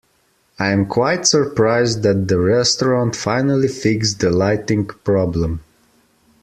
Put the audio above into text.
I am quite surprised that the restaurant finally fixed the lighting problem.